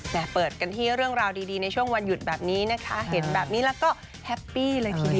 เปิดกันที่เรื่องราวดีในช่วงวันหยุดแบบนี้นะคะเห็นแบบนี้แล้วก็แฮปปี้เลยทีเดียว